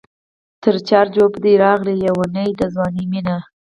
تر چار چوبه دی راغلې لېونۍ د ځوانۍ مینه